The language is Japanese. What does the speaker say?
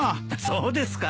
そうですか？